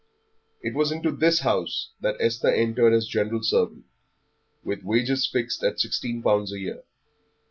It was into this house that Esther entered as general servant, with wages fixed at sixteen pounds a year.